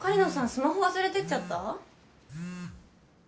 スマホ忘れてっちゃった？